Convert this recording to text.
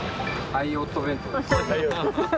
愛夫弁当ですね。